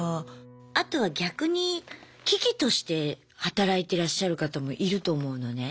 あとは逆に喜々として働いてらっしゃる方もいると思うのね。